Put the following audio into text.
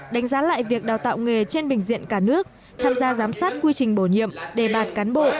đánh giá lại việc đào tạo nghề trên bình diện cả nước tham gia giám sát quy trình bổ nhiệm đề bạt cán bộ